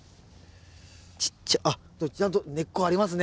ちっちゃあちゃんと根っこありますね